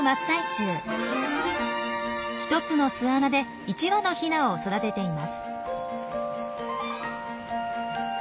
１つの巣穴で１羽のヒナを育てています。